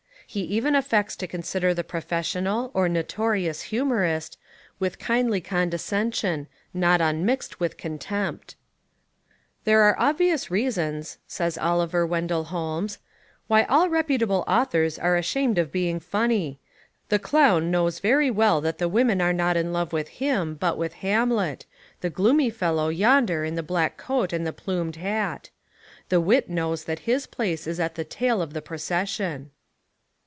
He even affects to consider the professional, or notorious hu morist, with a kindly condescension, not un 102 American Humour mixed with contempt. "There are obvious rea sons," says Oliver Wendell Holmes, "why all reputable authors are ashamed of being funny. The clown knows very well that the women are not In love with him, but with Hamlet, the gloomy fellow yonder in the black coat and the plumed hat. The wit knows that his place is at the tail of the procession."